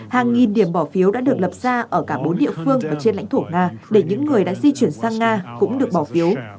hàng nghìn điểm bỏ phiếu đã được lập ra ở cả bốn địa phương và trên lãnh thổ nga để những người đã di chuyển sang nga cũng được bỏ phiếu